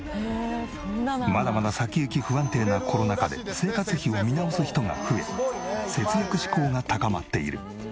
まだまだ先行き不安定なコロナ禍で生活費を見直す人が増え節約志向が高まっている。